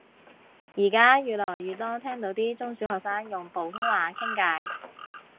而家越嚟越多聽到啲中小學生用普通話傾偈